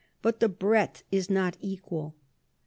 but the Breadth is not equal.